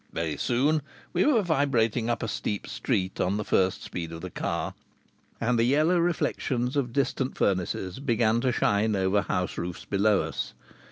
Very soon we were vibrating up a steep street on the first speed of the car, and the yellow reflections of distant furnaces began to shine over house roofs below us.